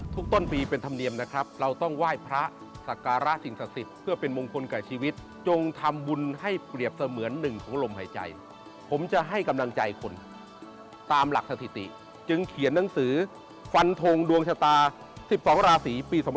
ต้นปีเป็นธรรมเนียมนะครับเราต้องไหว้พระสักการะสิ่งศักดิ์สิทธิ์เพื่อเป็นมงคลกับชีวิตจงทำบุญให้เปรียบเสมือนหนึ่งของลมหายใจผมจะให้กำลังใจคนตามหลักสถิติจึงเขียนหนังสือฟันทงดวงชะตา๑๒ราศีปี๒๕๖